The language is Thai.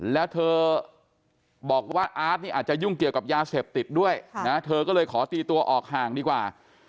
แล้วเธอบอกว่าอาร์ตนี่อาจจะยุ่งเกี่ยวกับยาเสพติดด้วยนะเธอก็เลยขอตีตัวออกห่างดีกว่า